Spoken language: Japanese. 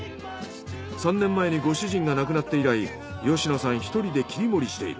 ３年前にご主人が亡くなって以来吉野さん１人で切り盛りしている。